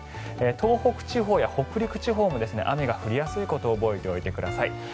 東北地方や北陸地方も雨が降りやすいことを覚えておいてください。